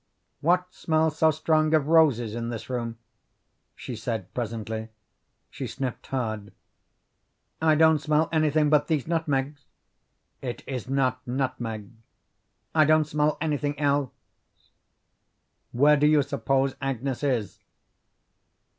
"What smells so strong of roses in this room?" she said presently. She sniffed hard. "I don't smell anything but these nutmegs." "It is not nutmeg." "I don't smell anything else." "Where do you suppose Agnes is?"